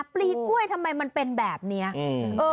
ปลีกล้วยทำไมมันเป็นแบบนี้